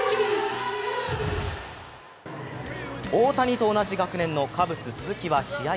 大谷と同じ学年のカブス・鈴木は試合